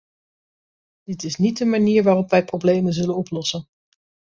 Dit is niet de manier waarop wij problemen zullen oplossen.